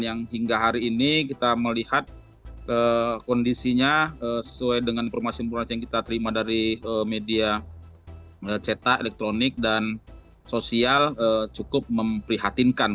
yang hingga hari ini kita melihat kondisinya sesuai dengan informasi informasi yang kita terima dari media cetak elektronik dan sosial cukup memprihatinkan